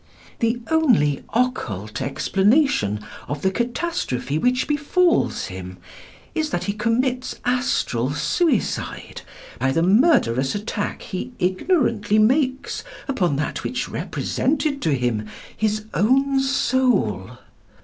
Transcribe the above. The only occult explanation of the catastrophe which befalls him is, that he commits astral suicide by the murderous attack he ignorantly makes upon that which represented to him his own soul.